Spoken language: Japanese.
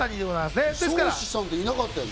ソウシさんって、いなかったよね。